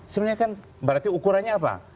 sebenarnya kan berarti ukurannya apa